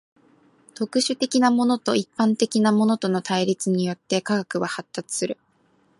特殊的なものと一般的なものとの対立によって科学は発達する。